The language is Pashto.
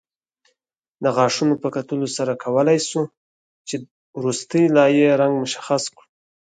د غاښونو په کتلو سره کولای شو چې وروستۍ لایې رنګ مشخص کړو